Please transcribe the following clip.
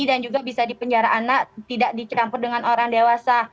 dan juga bisa dipenjara anak tidak dicampur dengan orang dewasa